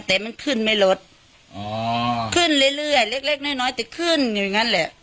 แต่มันขึ้นไม่ลดอ๋อขึ้นเรื่อยเรื่อยเล็กเล็กน้อยน้อยแต่ขึ้นอยู่อย่างนั้นแหละ